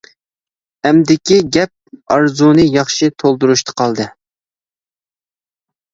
ئەمدىكى گەپ ئارزۇنى ياخشى تولدۇرۇشتا قالدى.